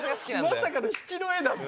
まさかの引きの絵だった。